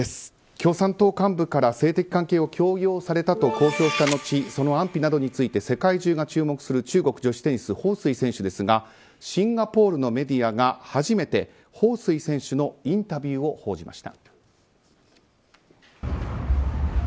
共産党幹部から性的関係を強要されたと公表した後その安否などについて世界中が注目する中国女子テニスホウ・スイ選手ですがシンガポールのメディアが初めてホウ・スイ選手のインタビューを報じました。